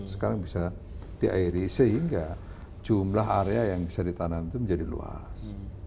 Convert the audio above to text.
sekarang bisa diairi sehingga jumlah area yang bisa ditanam itu menjadi luas